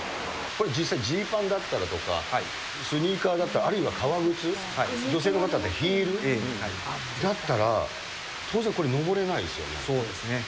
これ実際、ジーパンだったらとか、スニーカーだったり、あるいは革靴、女性の方で、ヒールだったら、そうですね。